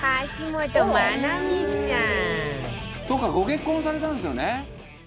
ご結婚されたんですよね」